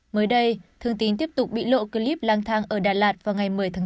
mới đây thương tín tiếp tục bị lộ clip lang thang ở đà lạt vào ngày một mươi tháng bốn